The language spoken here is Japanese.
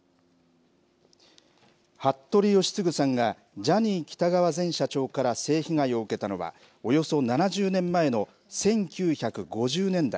服部吉次さんがジャニー喜多川前社長から性被害を受けたのは、およそ７０年前の１９５０年代。